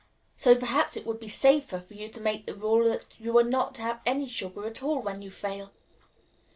So perhaps it would be safer for you to make the rule that you are not to have any sugar at all when you fail.